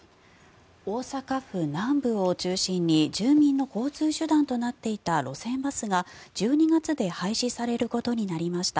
大阪府南部を中心に住民の交通手段となっていた路線バスが１２月で廃止されることになりました。